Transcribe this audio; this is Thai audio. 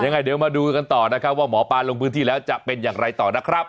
ยังไงเดี๋ยวมาดูกันต่อนะครับว่าหมอปลาลงพื้นที่แล้วจะเป็นอย่างไรต่อนะครับ